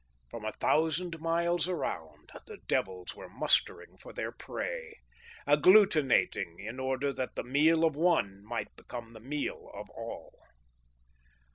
From a thousand miles around, the devils were mustering for their prey, agglutinating, in order that the meal of one might become the meal of all.